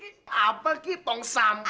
ini apaan sih ini tuh sampah